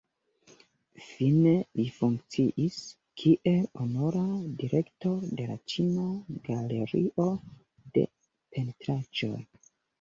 Fine li funkciis kiel honora direktoro de la Ĉina Galerio de Pentraĵoj.